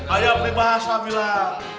ayah perti bahasa bilang